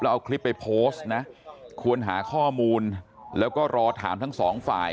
และเอาคลิปไปโพสต์นะควรหาข้อมูลและรอถามทั้ง๒ฝ่าย